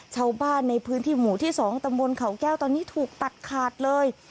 ชาวบ้านในพื้นที่หมู่ที่๒ตำบลเขาแก้วตอนนี้ถูกตัดขาดเลย